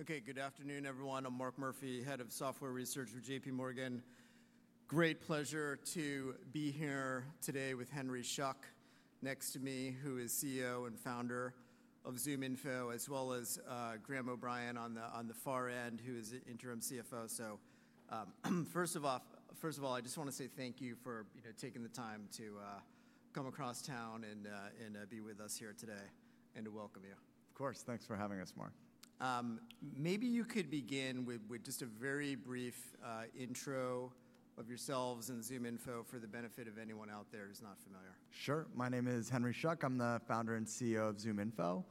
Okay, good afternoon, everyone. I'm Mark Murphy, Head of Software Research for J.P.Morgan. Great pleasure to be here today with Henry Schuck next to me, who is CEO and founder of ZoomInfo, as well as Graham O'Brien on the far end, who is interim CFO. First of all, I just want to say thank you for taking the time to come across town and be with us here today and to welcome you. Of course. Thanks for having us, Mark. Maybe you could begin with just a very brief intro of yourselves and ZoomInfo for the benefit of anyone out there who's not familiar. Sure. My name is Henry Schuck. I'm the founder and CEO of ZoomInfo.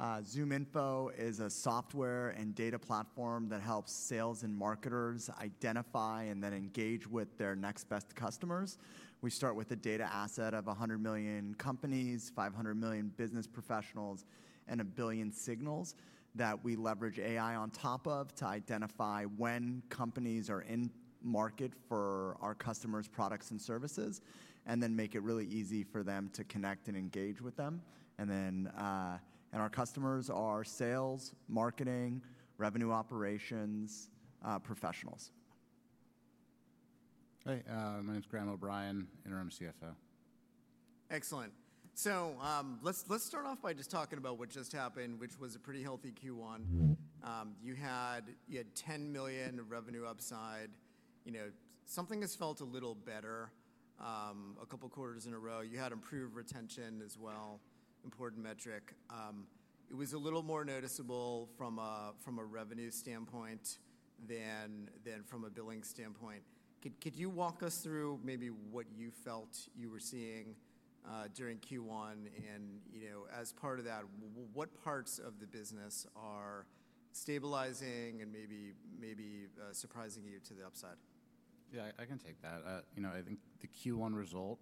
ZoomInfo is a software and data platform that helps sales and marketers identify and then engage with their next best customers. We start with a data asset of 100 million companies, 500 million business professionals, and a billion signals that we leverage AI on top of to identify when companies are in market for our customers' products and services, and then make it really easy for them to connect and engage with them. Our customers are sales, marketing, revenue operations professionals. Hey, my name is Graham O'Brien, interim CFO. Excellent. Let's start off by just talking about what just happened, which was a pretty healthy Q1. You had $10 million revenue upside. Something has felt a little better a couple of quarters in a row. You had improved retention as well, important metric. It was a little more noticeable from a revenue standpoint than from a billing standpoint. Could you walk us through maybe what you felt you were seeing during Q1? As part of that, what parts of the business are stabilizing and maybe surprising you to the upside? Yeah, I can take that. I think the Q1 result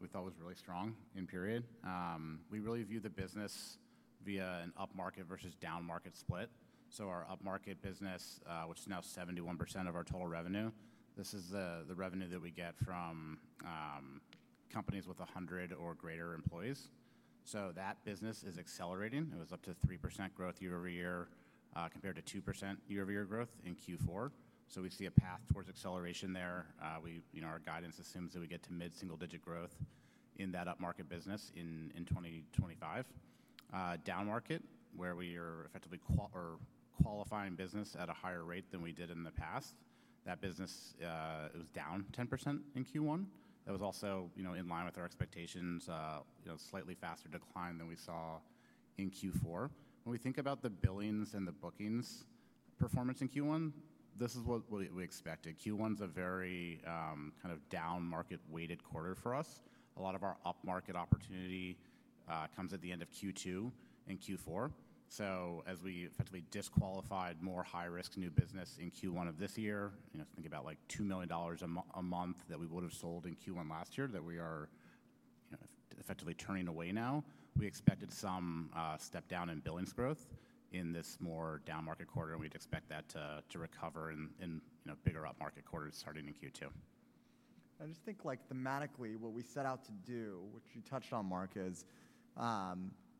we thought was really strong, in period. We really view the business via an up-market versus down-market split. Our up-market business, which is now 71% of our total revenue, this is the revenue that we get from companies with 100 or greater employees. That business is accelerating. It was up to 3% growth year-over-year compared to 2% year-over-year growth in Q4. We see a path towards acceleration there. Our guidance assumes that we get to mid-single-digit growth in that up-market business in 2025. Down-market, where we are effectively qualifying business at a higher rate than we did in the past, that business was down 10% in Q1. That was also in line with our expectations, a slightly faster decline than we saw in Q4. When we think about the billings and the bookings performance in Q1, this is what we expected. Q1 is a very kind of down-market weighted quarter for us. A lot of our up-market opportunity comes at the end of Q2 and Q4. As we effectively disqualified more high risk new business in Q1 of this year, think about like $2 million a month that we would have sold in Q1 last year that we are effectively turning away now, we expected some step down in billings growth in this more down-market quarter. We would expect that to recover in bigger up-market quarters starting in Q2. I just think thematically what we set out to do, which you touched on, Mark, is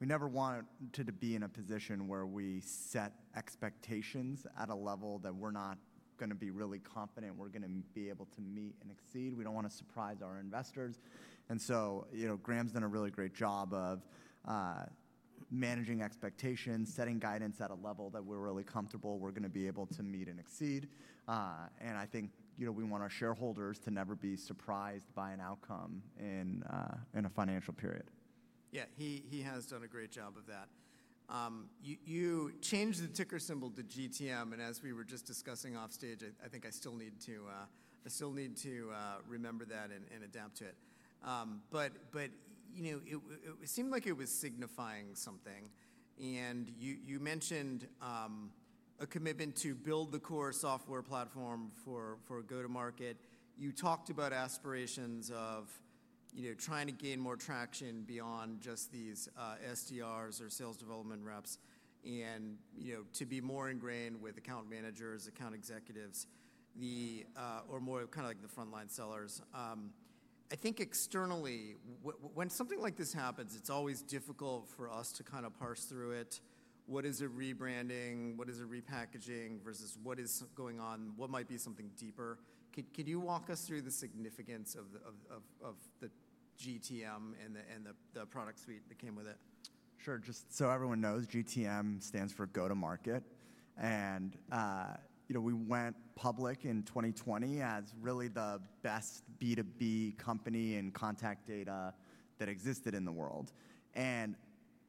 we never wanted to be in a position where we set expectations at a level that we're not going to be really confident we're going to be able to meet and exceed. We don't want to surprise our investors. Graham's done a really great job of managing expectations, setting guidance at a level that we're really comfortable we're going to be able to meet and exceed. I think we want our shareholders to never be surprised by an outcome in a financial period. Yeah, he has done a great job of that. You changed the ticker symbol to GTM. As we were just discussing off stage, I think I still need to remember that and adapt to it. It seemed like it was signifying something. You mentioned a commitment to build the core software platform for go-to-market. You talked about aspirations of trying to gain more traction beyond just these SDRs or sales development reps and to be more ingrained with account managers, account executives, or more kind of like the front line sellers. I think externally, when something like this happens, it's always difficult for us to kind of parse through it. What is a rebranding? What is a repackaging versus what is going on? What might be something deeper? Could you walk us through the significance of the GTM and the product suite that came with it? Sure. Just so everyone knows, GTM stands for go-to-market. We went public in 2020 as really the best B2B company in contact data that existed in the world.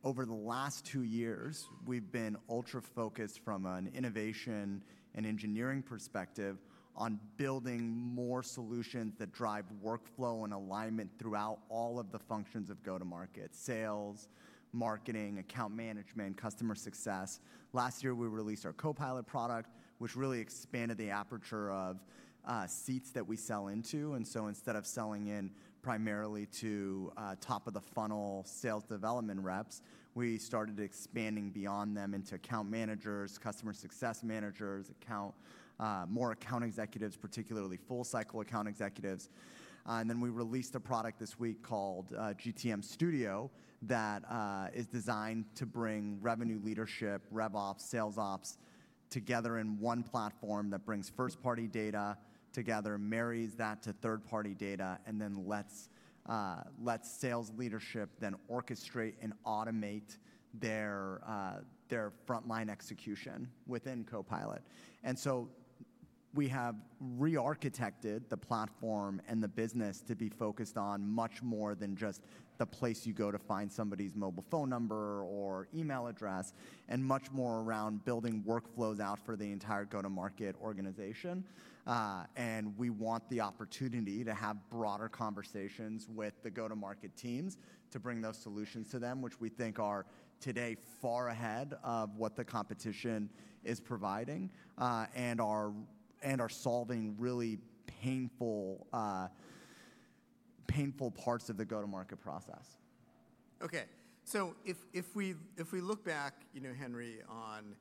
Over the last two years, we've been ultra focused from an innovation and engineering perspective on building more solutions that drive workflow and alignment throughout all of the functions of go-to-market, sales, marketing, account management, customer success. Last year, we released our Copilot product, which really expanded the aperture of seats that we sell into. Instead of selling in primarily to top of the funnel sales development reps, we started expanding beyond them into account managers, customer success managers, more account executives, particularly full cycle account executives. We released a product this week called GTM Studio that is designed to bring revenue leadership, RevOps, Sales Ops together in one platform that brings first party data together, marries that to third party data, and then lets sales leadership then orchestrate and automate their front line execution within Copilot. We have re-architected the platform and the business to be focused on much more than just the place you go to find somebody's mobile phone number or email address, and much more around building workflows out for the entire go-to-market organization. We want the opportunity to have broader conversations with the go-to-market teams to bring those solutions to them, which we think are today far ahead of what the competition is providing and are solving really painful parts of the go-to-market process. Okay. If we look back, Henry, on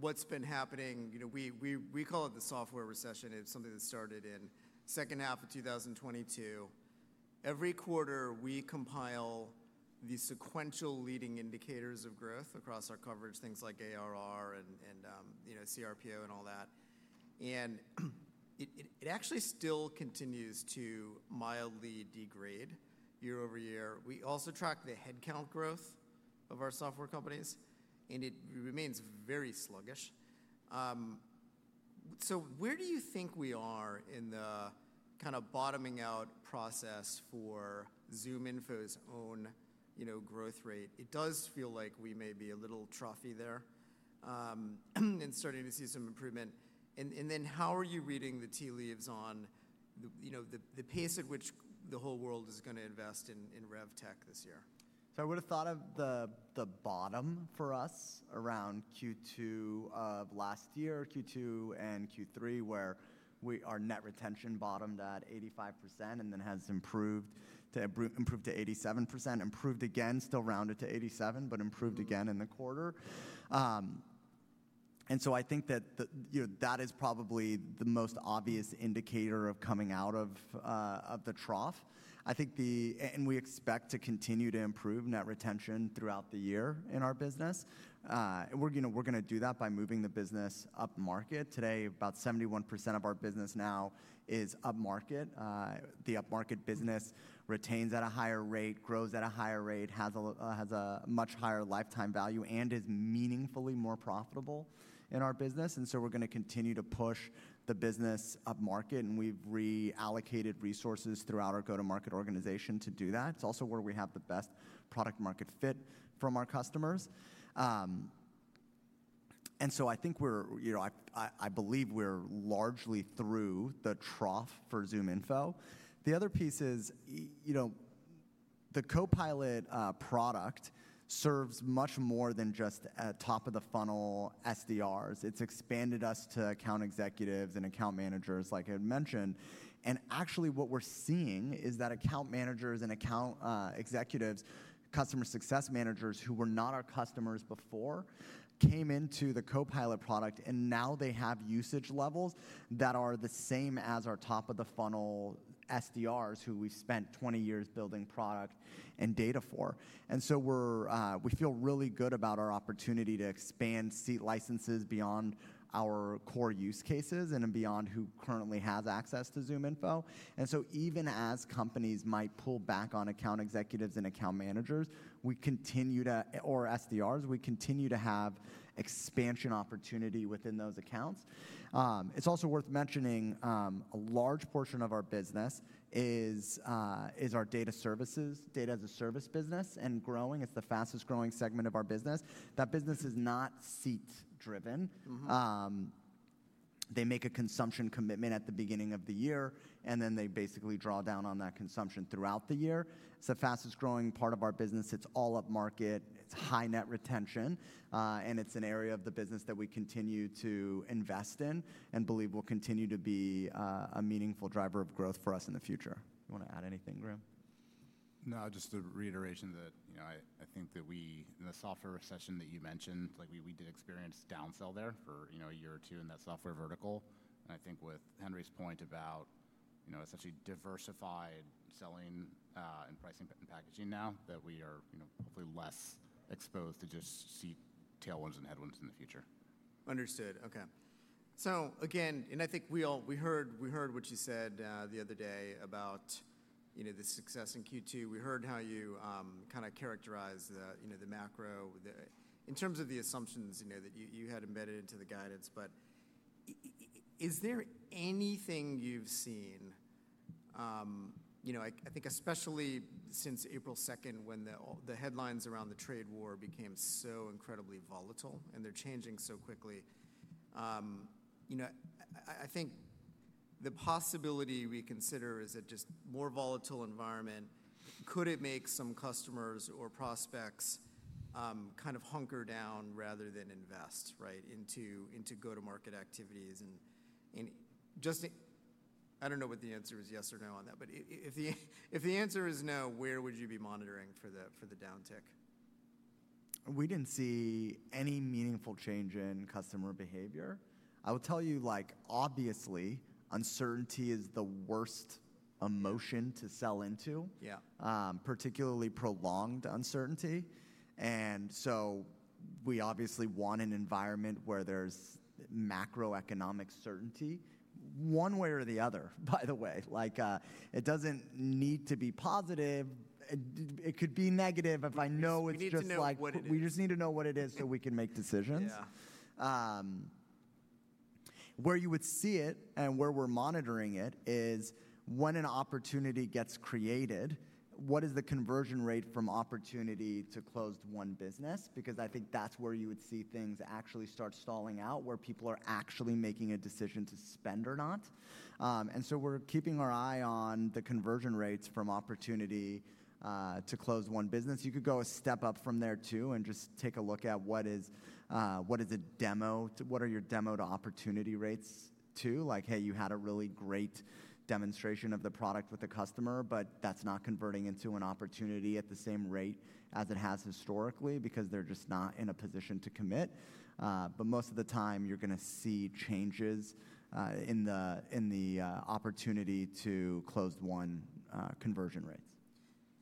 what's been happening, we call it the software recession. It is something that started in the second half of 2022. Every quarter, we compile the sequential leading indicators of growth across our coverage, things like ARR and cRPO and all that. It actually still continues to mildly degrade year-over-year. We also track the headcount growth of our software companies, and it remains very sluggish. Where do you think we are in the kind of bottoming out process for ZoomInfo's own growth rate? It does feel like we may be a little trophy there and starting to see some improvement. How are you reading the tea leaves on the pace at which the whole world is going to invest in RevTech this year? I would have thought of the bottom for us around Q2 of last year, Q2 and Q3, where our net retention bottomed at 85% and then has improved to 87%, improved again, still rounded to 87%, but improved again in the quarter. I think that that is probably the most obvious indicator of coming out of the trough. We expect to continue to improve net retention throughout the year in our business. We're going to do that by moving the business up market. Today, about 71% of our business now is up-market. The up-market business retains at a higher rate, grows at a higher rate, has a much higher lifetime value, and is meaningfully more profitable in our business. We're going to continue to push the business up market. We have reallocated resources throughout our go-to-market organization to do that. It's also where we have the best product market fit from our customers. I think I believe we're largely through the trough for ZoomInfo. The other piece is the Copilot product serves much more than just top of the funnel SDRs. It's expanded us to account executives and account managers, like I had mentioned. Actually, what we're seeing is that account managers and account executives, customer success managers who were not our customers before, came into the Copilot product. Now they have usage levels that are the same as our top of the funnel SDRs who we've spent 20 years building product and data for. We feel really good about our opportunity to expand seat licenses beyond our core use cases and beyond who currently has access to ZoomInfo. Even as companies might pull back on account executives and account managers, we continue to, or SDRs, we continue to have expansion opportunity within those accounts. It is also worth mentioning a large portion of our business is our data services, data as a service business and growing. It is the fastest growing segment of our business. That business is not seat driven. They make a consumption commitment at the beginning of the year, and then they basically draw down on that consumption throughout the year. It is the fastest growing part of our business. It is all up-market. It is high net retention. And it is an area of the business that we continue to invest in and believe will continue to be a meaningful driver of growth for us in the future. You want to add anything, Graham? No, just a reiteration that I think that the software recession that you mentioned, we did experience downsell there for a year or two in that software vertical. I think with Henry's point about essentially diversified selling and pricing and packaging now, that we are hopefully less exposed to just seat tailwinds and headwinds in the future. Understood. Okay. So again, I think we heard what you said the other day about the success in Q2. We heard how you kind of characterized the macro in terms of the assumptions that you had embedded into the guidance. Is there anything you've seen, I think especially since April 2nd, when the headlines around the trade war became so incredibly volatile and they're changing so quickly? I think the possibility we consider is a just more volatile environment. Could it make some customers or prospects kind of hunker down rather than invest into go-to-market activities? I don't know what the answer is, yes or no on that. If the answer is no, where would you be monitoring for the downtick? We didn't see any meaningful change in customer behavior. I will tell you, obviously, uncertainty is the worst emotion to sell into, particularly prolonged uncertainty. We obviously want an environment where there's macroeconomic certainty one way or the other, by the way. It doesn't need to be positive. It could be negative if I know it's just like. We need to know what it is. We just need to know what it is so we can make decisions. Where you would see it and where we're monitoring it is when an opportunity gets created, what is the conversion rate from opportunity to closed won business? Because I think that's where you would see things actually start stalling out, where people are actually making a decision to spend or not. We are keeping our eye on the conversion rates from opportunity to closed won business. You could go a step up from there too and just take a look at what is a demo, what are your demo to opportunity rates too? Like, hey, you had a really great demonstration of the product with the customer, but that's not converting into an opportunity at the same rate as it has historically because they're just not in a position to commit. Most of the time, you're going to see changes in the opportunity to closed-won conversion rates.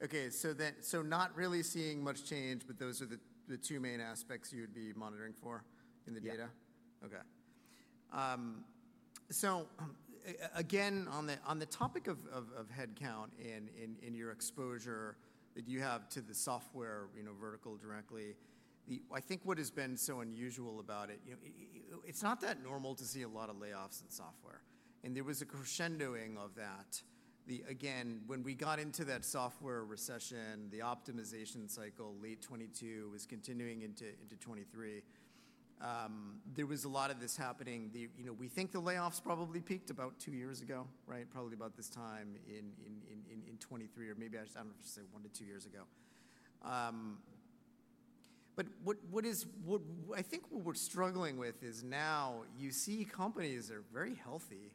Okay. So not really seeing much change, but those are the two main aspects you'd be monitoring for in the data? Yeah. Okay. Again, on the topic of headcount and your exposure that you have to the software vertical directly, I think what has been so unusual about it, it's not that normal to see a lot of layoffs in software. There was a crescendoing of that. Again, when we got into that software recession, the optimization cycle, late 2022, was continuing into 2023, there was a lot of this happening. We think the layoffs probably peaked about two years ago, probably about this time in 2023, or maybe I don't know if I should say one to two years ago. I think what we're struggling with is now you see companies that are very healthy.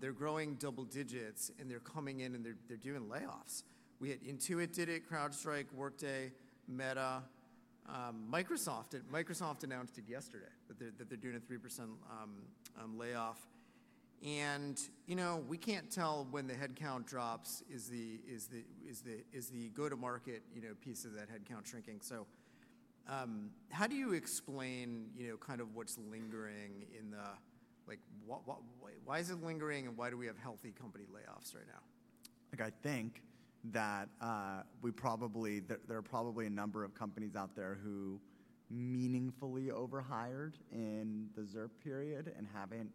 They're growing double digits, and they're coming in, and they're doing layoffs. Intuit did it, CrowdStrike, Workday, Meta, Microsoft announced it yesterday that they're doing a 3% layoff. We can't tell when the headcount drops if the go-to-market piece of that headcount is shrinking. How do you explain kind of what's lingering in the, why is it lingering, and why do we have healthy company layoffs right now? I think that there are probably a number of companies out there who meaningfully overhired in the ZIRP period and haven't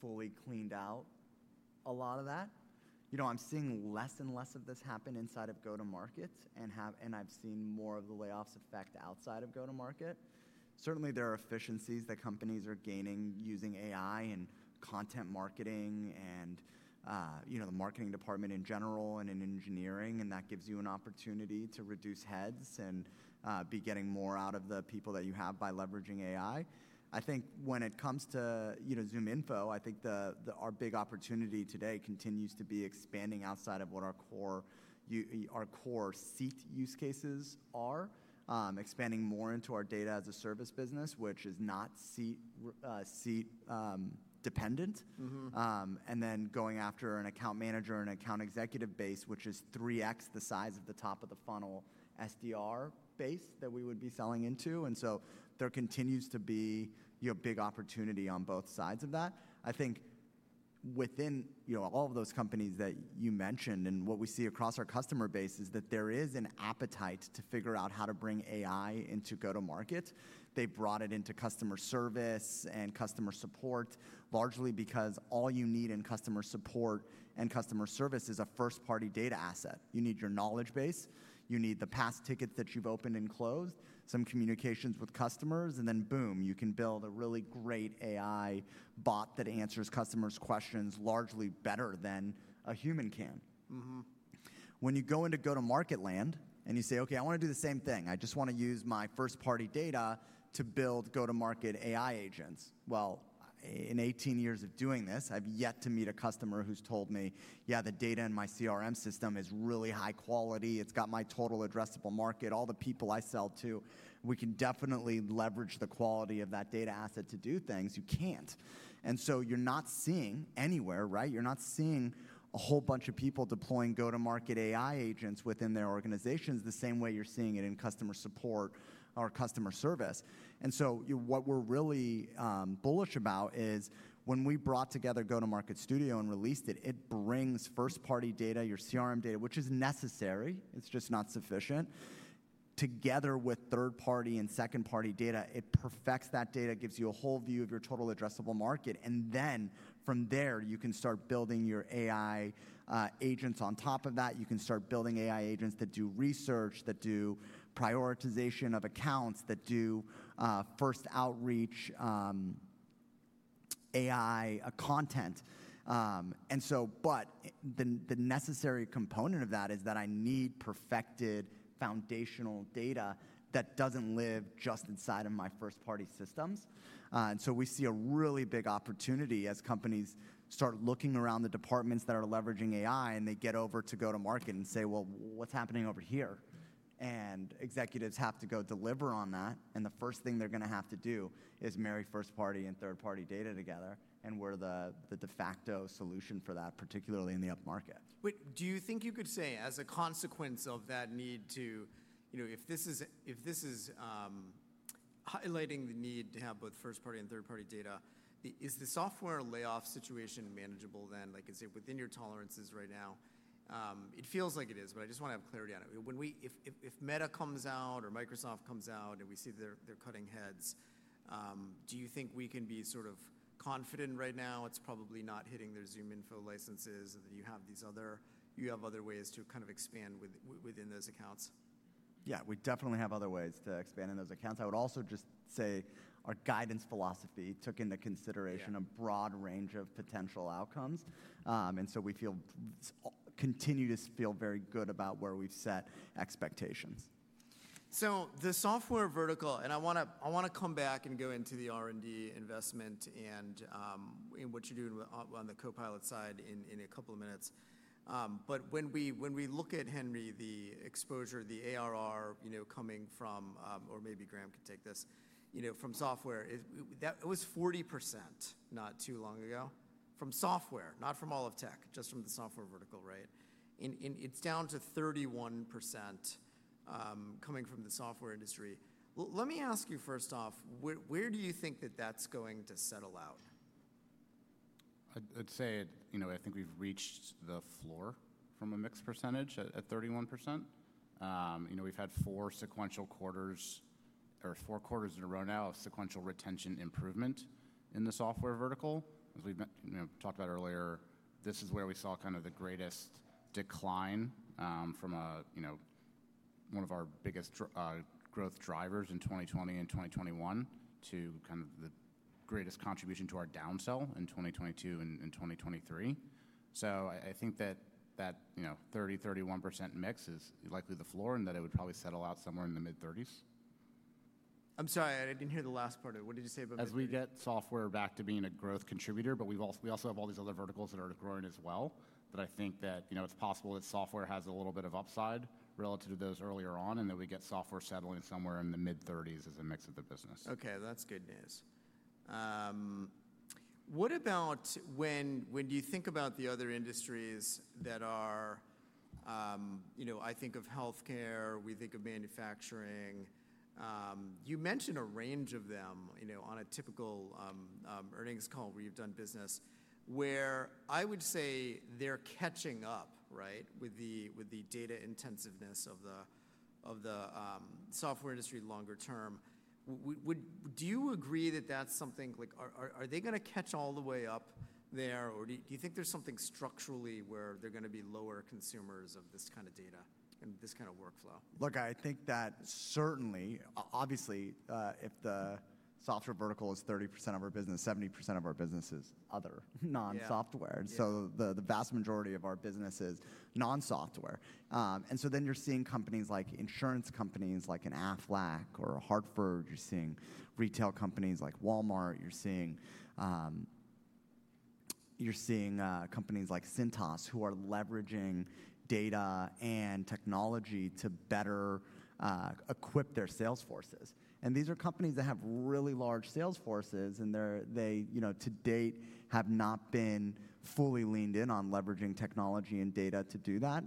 fully cleaned out a lot of that. I'm seeing less and less of this happen inside of go-to-market, and I've seen more of the layoffs affect outside of go-to-market. Certainly, there are efficiencies that companies are gaining using AI and content marketing and the marketing department in general and in engineering. That gives you an opportunity to reduce heads and be getting more out of the people that you have by leveraging AI. I think when it comes to ZoomInfo, I think our big opportunity today continues to be expanding outside of what our core seat use cases are, expanding more into our data as a service business, which is not seat-dependent, and then going after an account manager and account executive base, which is 3x the size of the top-of-the-funnel SDR base that we would be selling into. There continues to be a big opportunity on both sides of that. I think within all of those companies that you mentioned and what we see across our customer base is that there is an appetite to figure out how to bring AI into go-to-market. They brought it into customer service and customer support, largely because all you need in customer support and customer service is a first party data asset. You need your knowledge base. You need the past tickets that you've opened and closed, some communications with customers, and then boom, you can build a really great AI bot that answers customers' questions largely better than a human can. When you go into go-to-market land and you say, "Okay, I want to do the same thing. I just want to use my first party data to build go-to-market AI agents." In 18 years of doing this, I've yet to meet a customer who's told me, "Yeah, the data in my CRM system is really high quality. It's got my total addressable market, all the people I sell to. We can definitely leverage the quality of that data asset to do things." You can't. You are not seeing it anywhere, right? You're not seeing a whole bunch of people deploying go-to-market AI agents within their organizations the same way you're seeing it in customer support or customer service. What we're really bullish about is when we brought together Go-to-Market Studio and released it, it brings first party data, your CRM data, which is necessary. It's just not sufficient. Together with third party and second party data, it perfects that data, gives you a whole view of your total addressable market. From there, you can start building your AI agents on top of that. You can start building AI agents that do research, that do prioritization of accounts, that do first outreach AI content. The necessary component of that is that I need perfected foundational data that doesn't live just inside of my first party systems. We see a really big opportunity as companies start looking around the departments that are leveraging AI, and they get over to go-to-market and say, "Well, what's happening over here?" Executives have to go deliver on that. The first thing they're going to have to do is marry first party and third party data together. We're the de facto solution for that, particularly in the up market. Do you think you could say as a consequence of that need to, if this is highlighting the need to have both first party and third party data, is the software layoff situation manageable then? Is it within your tolerances right now? It feels like it is, but I just want to have clarity on it. If Meta comes out or Microsoft comes out and we see that they're cutting heads, do you think we can be sort of confident right now it's probably not hitting their ZoomInfo licenses and that you have these other, you have other ways to kind of expand within those accounts? Yeah, we definitely have other ways to expand in those accounts. I would also just say our guidance philosophy took into consideration a broad range of potential outcomes. We continue to feel very good about where we've set expectations. The software vertical, and I want to come back and go into the R&D investment and what you're doing on the Copilot side in a couple of minutes. When we look at, Henry, the exposure, the ARR coming from, or maybe Graham could take this, from software, it was 40% not too long ago from software, not from all of tech, just from the software vertical, right? It's down to 31% coming from the software industry. Let me ask you first off, where do you think that that's going to settle out? I'd say I think we've reached the floor from a mix percentage at 31%. We've had four sequential quarters or four quarters in a row now of sequential retention improvement in the software vertical. As we've talked about earlier, this is where we saw kind of the greatest decline from one of our biggest growth drivers in 2020 and 2021 to kind of the greatest contribution to our downsell in 2022 and 2023. I think that 30%-31% mix is likely the floor and that it would probably settle out somewhere in the mid-30s. I'm sorry, I didn't hear the last part of it. What did you say about? As we get software back to being a growth contributor, we also have all these other verticals that are growing as well. I think that it's possible that software has a little bit of upside relative to those earlier on and that we get software settling somewhere in the mid-30s as a mix of the business. Okay, that's good news. What about when you think about the other industries that are, I think of healthcare, we think of manufacturing, you mentioned a range of them on a typical earnings call where you've done business, where I would say they're catching up with the data intensiveness of the software industry longer term. Do you agree that that's something, are they going to catch all the way up there? Or do you think there's something structurally where they're going to be lower consumers of this kind of data and this kind of workflow? Look, I think that certainly, obviously, if the software vertical is 30% of our business, 70% of our business is other non-software. The vast majority of our business is non-software. You are seeing companies like insurance companies like an Aflac or a Hartford. You are seeing retail companies like Walmart. You are seeing companies like Cintas who are leveraging data and technology to better equip their sales forces. These are companies that have really large sales forces and they, to date, have not been fully leaned in on leveraging technology and data to do that.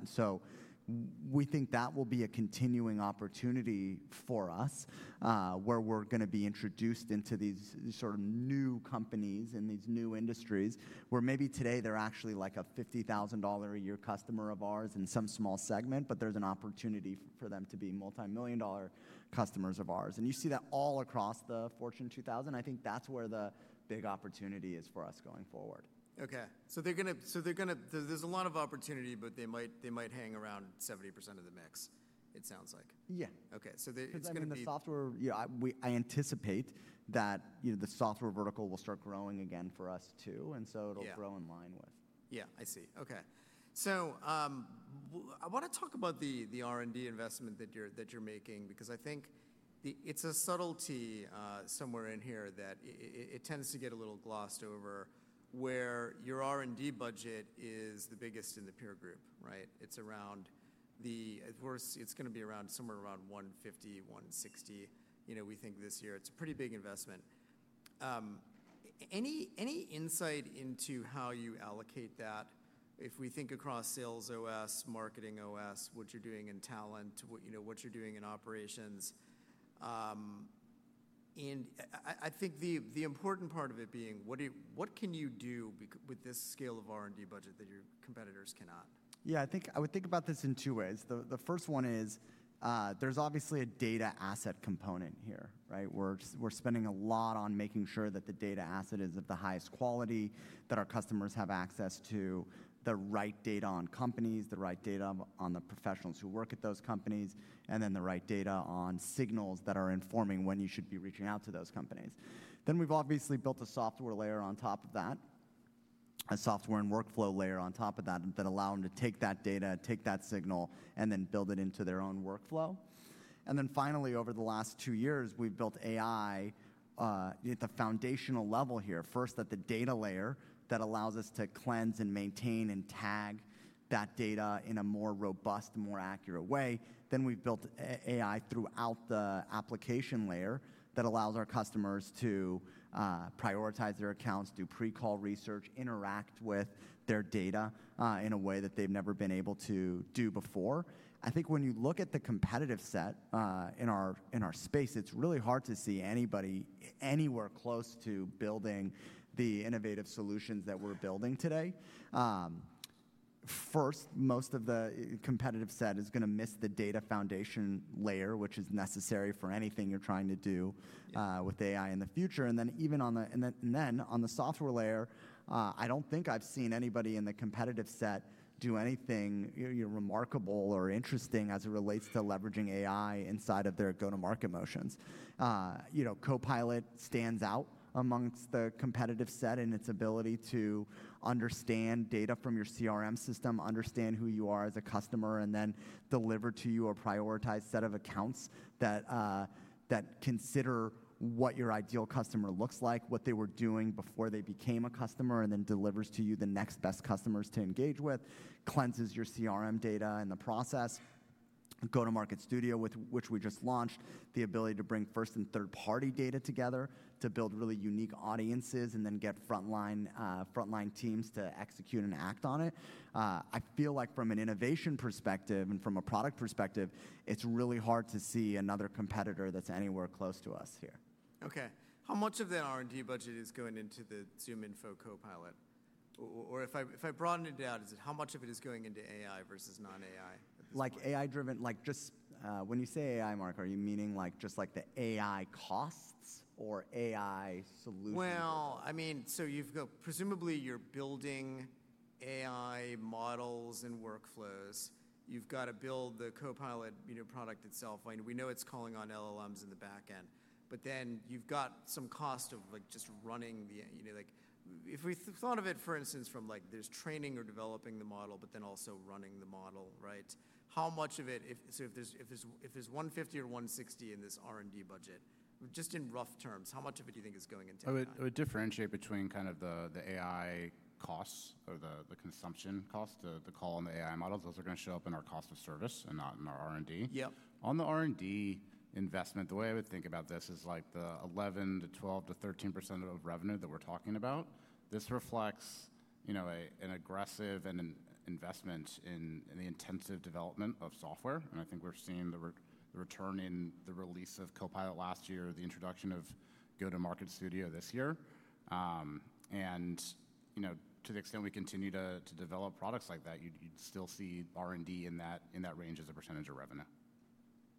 We think that will be a continuing opportunity for us where we're going to be introduced into these sort of new companies and these new industries where maybe today they're actually like a $50,000 a year customer of ours in some small segment, but there's an opportunity for them to be multi-million dollar customers of ours. You see that all across the Fortune 2000. I think that's where the big opportunity is for us going forward. Okay. There's a lot of opportunity, but they might hang around 70% of the mix, it sounds like. Yeah. Okay. It's going to be the software. I anticipate that the software vertical will start growing again for us too. It will grow in line with. Yeah, I see. Okay. I want to talk about the R&D investment that you're making because I think it's a subtlety somewhere in here that it tends to get a little glossed over where your R&D budget is the biggest in the peer group, right? It's around the, of course, it's going to be around somewhere around $150 million-$160 million. We think this year it's a pretty big investment. Any insight into how you allocate that if we think across Sales OS, Marketing OS, what you're doing in Talent, what you're doing in Operations? I think the important part of it being, what can you do with this scale of R&D budget that your competitors cannot? Yeah, I think I would think about this in two ways. The first one is there's obviously a data asset component here, right? We're spending a lot on making sure that the data asset is of the highest quality, that our customers have access to the right data on companies, the right data on the professionals who work at those companies, and then the right data on signals that are informing when you should be reaching out to those companies. We have obviously built a software layer on top of that, a software and workflow layer on top of that that allow them to take that data, take that signal, and then build it into their own workflow. Finally, over the last two years, we've built AI at the foundational level here. First, at the data layer that allows us to cleanse and maintain and tag that data in a more robust, more accurate way. Then we've built AI throughout the application layer that allows our customers to prioritize their accounts, do pre-call research, interact with their data in a way that they've never been able to do before. I think when you look at the competitive set in our space, it's really hard to see anybody anywhere close to building the innovative solutions that we're building today. Most of the competitive set is going to miss the data foundation layer, which is necessary for anything you're trying to do with AI in the future. Even on the software layer, I don't think I've seen anybody in the competitive set do anything remarkable or interesting as it relates to leveraging AI inside of their go-to-market motions. Copilot stands out amongst the competitive set in its ability to understand data from your CRM system, understand who you are as a customer, and then deliver to you a prioritized set of accounts that consider what your ideal customer looks like, what they were doing before they became a customer, and then delivers to you the next best customers to engage with, cleanses your CRM data in the process. Go-to-Market Studio, which we just launched, the ability to bring first and third party data together to build really unique audiences and then get frontline teams to execute and act on it. I feel like from an innovation perspective and from a product perspective, it's really hard to see another competitor that's anywhere close to us here. Okay. How much of that R&D budget is going into the ZoomInfo Copilot? Or if I broaden it out, how much of it is going into AI versus non-AI? Like AI driven, like just when you say AI, Mark, are you meaning just like the AI costs or AI solutions? I mean, so presumably you're building AI models and workflows. You've got to build the Copilot product itself. We know it's calling on LLMs in the backend, but then you've got some cost of just running the, if we thought of it, for instance, from there's training or developing the model, but then also running the model, right? How much of it, so if there's $150 million or $160 million in this R&D budget, just in rough terms, how much of it do you think is going into AI? I would differentiate between kind of the AI costs or the consumption costs, the call on the AI models, those are going to show up in our cost of service and not in our R&D. On the R&D investment, the way I would think about this is like the 11%-12%-13% of revenue that we're talking about. This reflects an aggressive investment in the intensive development of software. I think we're seeing the returning, the release of Copilot last year, the introduction of Go-to-Market Studio this year. To the extent we continue to develop products like that, you'd still see R&D in that range as a percentage of revenue.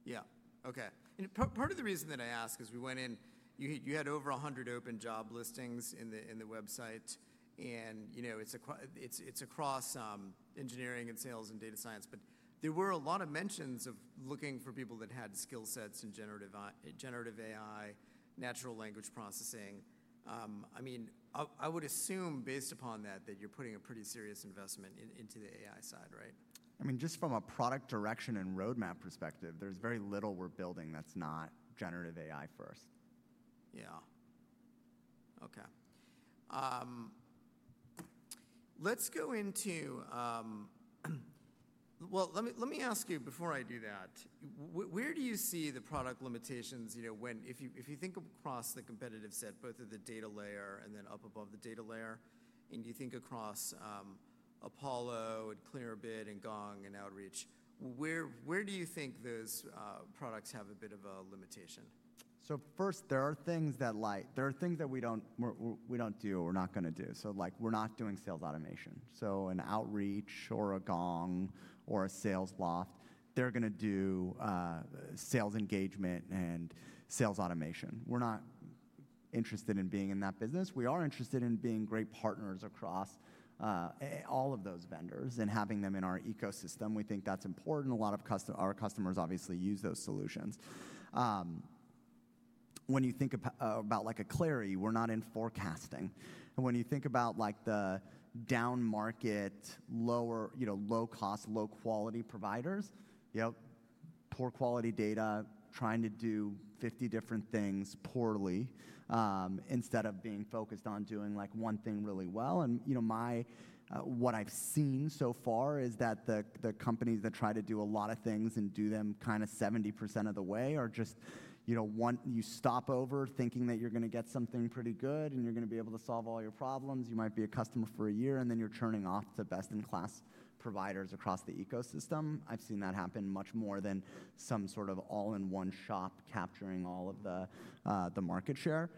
Yeah. Okay. Part of the reason that I ask is we went in, you had over 100 open job listings in the website. It's across engineering and sales and data science, but there were a lot of mentions of looking for people that had skill sets in generative AI, natural language processing. I mean, I would assume based upon that, that you're putting a pretty serious investment into the AI side, right? I mean, just from a product direction and roadmap perspective, there's very little we're building that's not generative AI first. Yeah. Okay. Let's go into, let me ask you before I do that, where do you see the product limitations when if you think across the competitive set, both of the data layer and then up above the data layer, and you think across Apollo and Clearbit and Gong and Outreach, where do you think those products have a bit of a limitation? First, there are things that we do not do or we are not going to do. We are not doing sales automation. An Outreach or a Gong or a Salesloft, they are going to do sales engagement and sales automation. We are not interested in being in that business. We are interested in being great partners across all of those vendors and having them in our ecosystem. We think that is important. A lot of our customers obviously use those solutions. When you think about like a Clari, we are not in forecasting. When you think about the down market, low-cost, low-quality providers, poor quality data, trying to do 50 different things poorly instead of being focused on doing one thing really well. What I've seen so far is that the companies that try to do a lot of things and do them kind of 70% of the way are just, you stop overthinking that you're going to get something pretty good and you're going to be able to solve all your problems. You might be a customer for a year and then you're turning off the best-in-class providers across the ecosystem. I've seen that happen much more than some sort of all-in-one shop capturing all of the market share.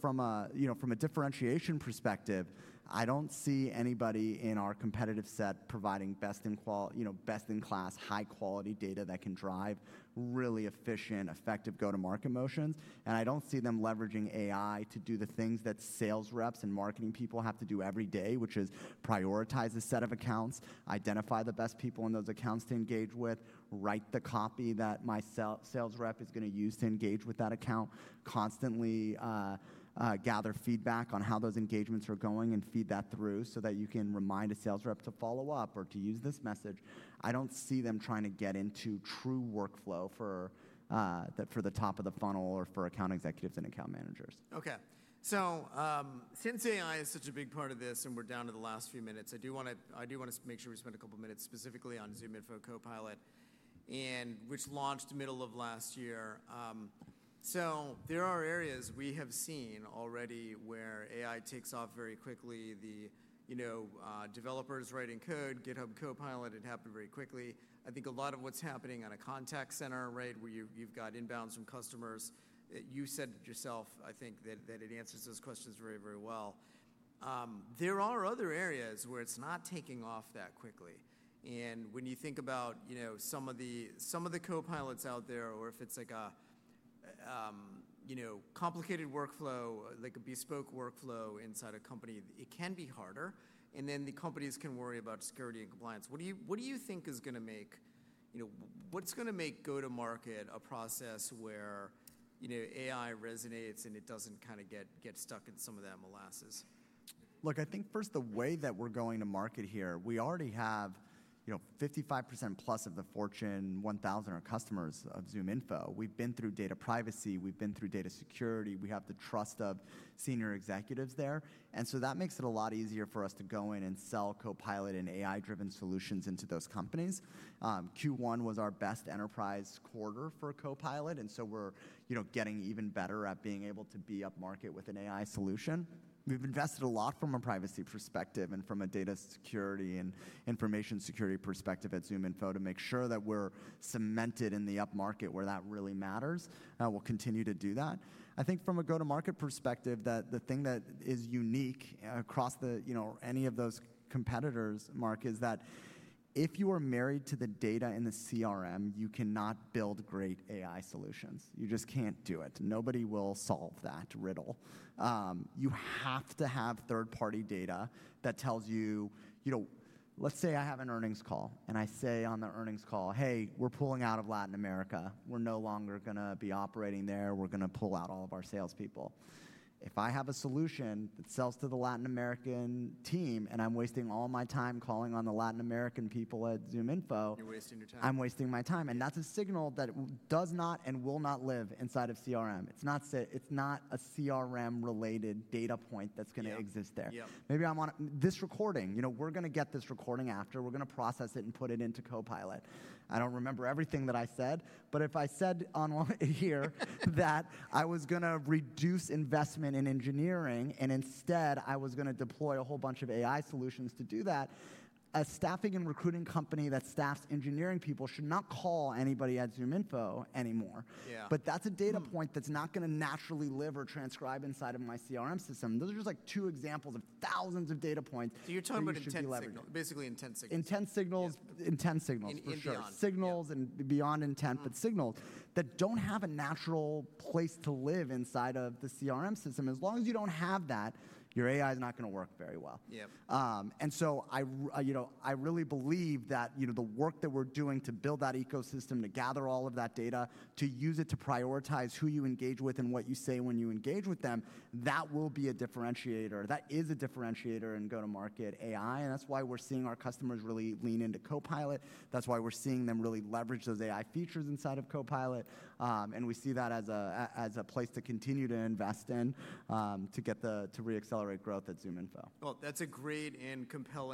From a differentiation perspective, I don't see anybody in our competitive set providing best-in-class, high-quality data that can drive really efficient, effective go-to-market motions. I don't see them leveraging AI to do the things that sales reps and marketing people have to do every day, which is prioritize a set of accounts, identify the best people in those accounts to engage with, write the copy that my sales rep is going to use to engage with that account, constantly gather feedback on how those engagements are going and feed that through so that you can remind a sales rep to follow up or to use this message. I don't see them trying to get into true workflow for the top of the funnel or for account executives and account managers. Okay. Since AI is such a big part of this and we're down to the last few minutes, I do want to make sure we spend a couple of minutes specifically on ZoomInfo Copilot, which launched middle of last year. There are areas we have seen already where AI takes off very quickly. The developers writing code, GitHub Copilot, it happened very quickly. I think a lot of what's happening on a contact center, right, where you've got inbounds from customers, you said yourself, I think that it answers those questions very, very well. There are other areas where it's not taking off that quickly. When you think about some of the Copilots out there, or if it's like a complicated workflow, like a bespoke workflow inside a company, it can be harder. The companies can worry about security and compliance. What do you think is going to make, what's going to make go-to-market a process where AI resonates and it doesn't kind of get stuck in some of that molasses? Look, I think first the way that we're going to market here, we already have 55%+ of the Fortune 1000 are customers of ZoomInfo. We've been through data privacy. We've been through data security. We have the trust of senior executives there. That makes it a lot easier for us to go in and sell Copilot and AI-driven solutions into those companies. Q1 was our best enterprise quarter for Copilot. We're getting even better at being able to be up-market with an AI solution. We've invested a lot from a privacy perspective and from a data security and information security perspective at ZoomInfo to make sure that we're cemented in the up-market where that really matters. We'll continue to do that. I think from a go-to-market perspective, the thing that is unique across any of those competitors, Mark, is that if you are married to the data in the CRM, you cannot build great AI solutions. You just can't do it. Nobody will solve that riddle. You have to have third-party data that tells you, let's say I have an earnings call and I say on the earnings call, "Hey, we're pulling out of Latin America. We're no longer going to be operating there. We're going to pull out all of our salespeople." If I have a solution that sells to the Latin American team and I'm wasting all my time calling on the Latin American people at ZoomInfo. You're wasting your time. I'm wasting my time. That's a signal that does not and will not live inside of CRM. It's not a CRM-related data point that's going to exist there. Maybe I'm on this recording. We're going to get this recording after. We're going to process it and put it into Copilot. I don't remember everything that I said, but if I said on one here that I was going to reduce investment in engineering and instead I was going to deploy a whole bunch of AI solutions to do that, a staffing and recruiting company that staffs engineering people should not call anybody at ZoomInfo anymore. That's a data point that's not going to naturally live or transcribe inside of my CRM system. Those are just like two examples of thousands of data points. You're talking about intent signals. Basically intent signals. Intent signals. In easy on. Signals and beyond intent, but signals that do not have a natural place to live inside of the CRM system. As long as you do not have that, your AI is not going to work very well. I really believe that the work that we are doing to build that ecosystem, to gather all of that data, to use it to prioritize who you engage with and what you say when you engage with them, that will be a differentiator. That is a differentiator in go-to-market AI. That is why we are seeing our customers really lean into Copilot. That is why we are seeing them really leverage those AI features inside of Copilot. We see that as a place to continue to invest in to re-accelerate growth at ZoomInfo. That's a great and compelling.